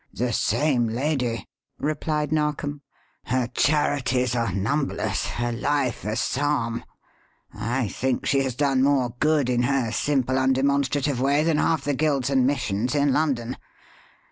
"The same lady," replied Narkom. "Her charities are numberless, her life a psalm. I think she has done more good in her simple, undemonstrative way than half the guilds and missions in London.